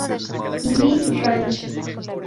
Lee Ranch.